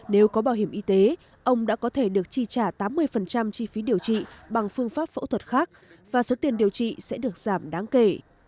nếu có bảo hiểm y tế ông đã có thể được chi trả tám mươi chi phí điều trị bằng phương pháp phẫu thuật khác và số tiền điều trị sẽ được giảm đáng kể